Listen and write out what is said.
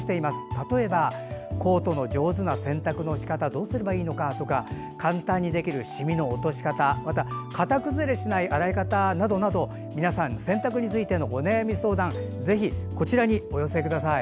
例えば、コートの上手な洗濯のしかたどうすればいいのかとか簡単にできるシミの落とし方または型崩れしない洗い方などなど皆さんの洗濯についてのお悩み、相談ぜひこちらにお寄せください。